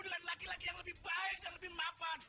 dengan laki laki yang lebih baik dan lebih memapan